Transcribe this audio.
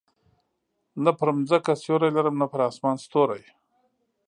نه پر مځکه سیوری لرم، نه پر اسمان ستوری.